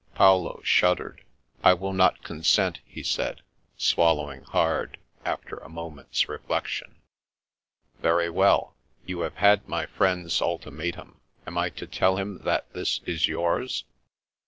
Paolo shuddered. " I will not consent," he said, swallowing hard, after a moment's reflection. " Very well. You have had my friend's ultima tum. Am I to tell him that this is yours